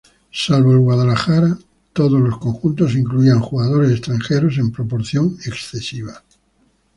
Salvo el Guadalajara, todos los conjuntos incluían jugadores extranjeros en proporción excesiva.